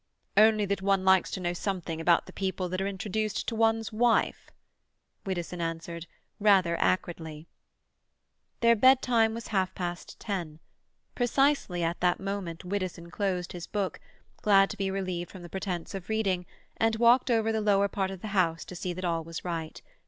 "Only that one likes to know something about the people that are introduced to one's wife," Widdowson answered rather acridly. Their bedtime was half past ten. Precisely at that moment Widdowson closed his book—glad to be relieved from the pretence of reading—and walked over the lower part of the house to see that all was right.